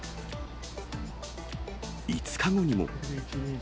５日後にも。